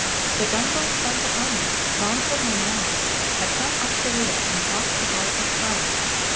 The gunboat Santa Ana, bound for Manaos, had come up the river and passed the bar at Frias.